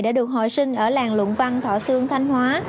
đã được hồi sinh ở làng luận văn thọ sương thanh hóa